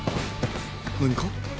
何か？